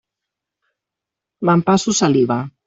M'empasso saliva.